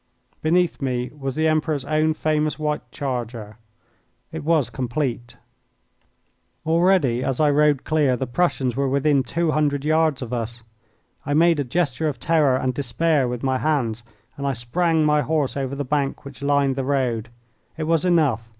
Beneath me was the Emperor's own famous white charger. It was complete. Already as I rode clear the Prussians were within two hundred yards of us. I made a gesture of terror and despair with my hands, and I sprang my horse over the bank which lined the road. It was enough.